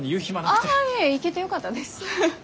ああいえ行けてよかったです。